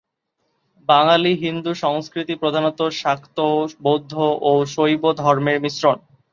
বাঙালি হিন্দু সংস্কৃতি প্রধানত শাক্ত, বৌদ্ধ ও শৈব ধর্মের মিশ্রণ।